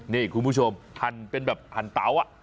นี่คุณผู้ชมหั่นเป็นแบบหั่นเตา